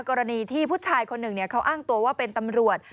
กรณีที่ผู้ชายคนหนึ่งเขาอ้างตัวว่าเป็นตำรวจ